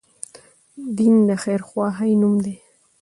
دين د خير خواهي نوم دی